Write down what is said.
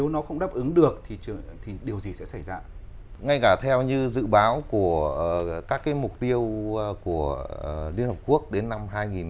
ngay cả theo như dự báo của các mục tiêu của liên hợp quốc đến năm hai nghìn ba mươi